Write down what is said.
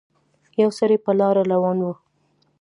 يو سړی په لاره روان وو